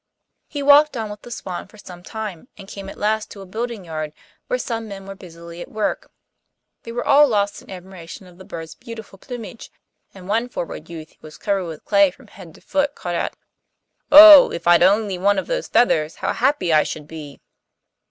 He walked on with the swan for some time, and came at last to a building yard where some men were busily at work. They were all lost in admiration of the bird's beautiful plumage, and one forward youth, who was covered with clay from head to foot, called out, 'Oh, if I'd only one of those feathers how happy I should be!